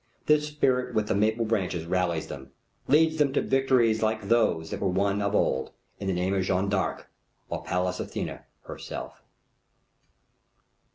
This spirit with the maple branch rallies them, leads them to victories like those that were won of old in the name of Jeanne d'Arc or Pallas Athena herself.